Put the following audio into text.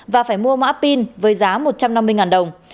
và phải mua mã pin với giá một trăm năm mươi đồng